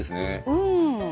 うん。